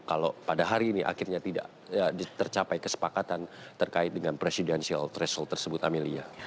kalau pada hari ini akhirnya tidak tercapai kesepakatan terkait dengan presidensial threshold tersebut amelia